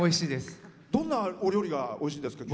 どんなお料理がおいしいんですか？